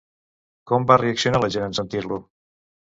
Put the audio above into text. Com va reaccionar la gent en sentir-lo?